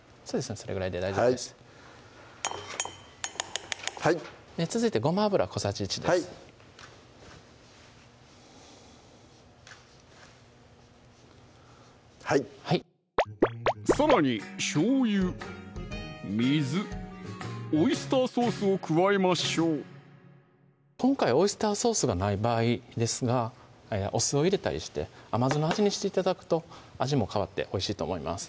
それぐらいで大丈夫です続いてごま油小さじ１ですはいさらにしょうゆ・水・オイスターソースを加えましょう今回オイスターソースがない場合ですがお酢を入れたりして甘酢の味にして頂くと味も変わっておいしいと思います